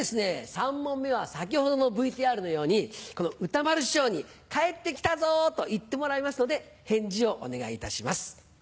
３問目は先ほどのＶＴＲのように歌丸師匠に「帰ってきたぞ」と言ってもらいますので返事をお願いいたします。